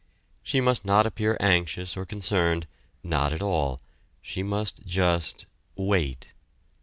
She must not appear anxious or concerned not at all; she must just wait.